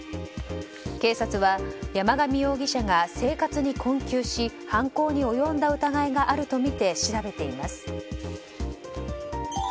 警察は山上容疑者が生活に困窮し犯行に及んだ疑いがあるとみて調べています。